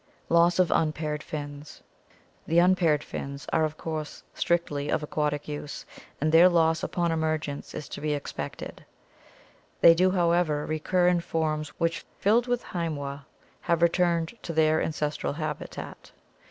Loss of Unpaired Fins. — The unpaired fins are of course strictly of aquatic use and their loss upon emergence is to be expected. They do, however, recur in forms which, filled with Heimweh, have returned to their ancestral habitat.